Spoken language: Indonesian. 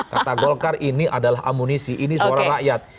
kata golkar ini adalah amunisi ini suara rakyat